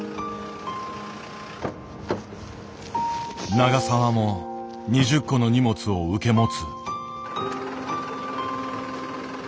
永澤も２０個の荷物を受け持つ。